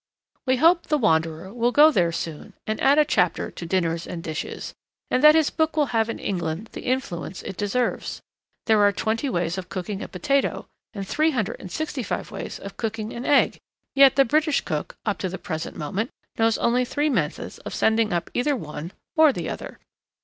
We hope the 'Wanderer' will go there soon and add a chapter to Dinners and Dishes, and that his book will have in England the influence it deserves. There are twenty ways of cooking a potato and three hundred and sixty five ways of cooking an egg, yet the British cook, up to the present moment, knows only three methods of sending up either one or the other.